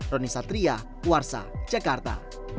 roni satria puarsa jakarta